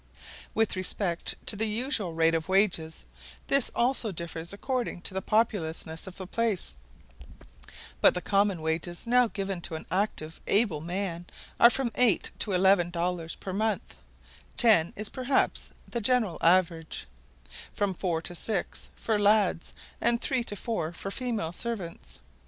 With respect to the usual rate of wages, this also differs according to the populousness of the place: but the common wages now given to an active able man are from eight to eleven dollars per month; ten is perhaps the general average; from four to six for lads, and three and four for female servants.